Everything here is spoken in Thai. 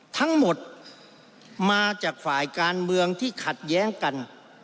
ทั้งหมดมาจากฝ่ายการเมืองที่ขัดแย้งกัน